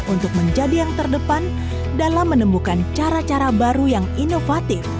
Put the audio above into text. untuk menjadi yang terdepan dalam menemukan cara cara baru yang inovatif